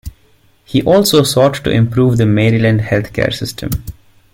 He also sought to improve the Maryland healthcare system.